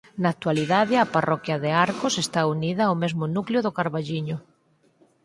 Na actualidade a parroquia de Arcos está unida ó mesmo núcleo do Carballiño.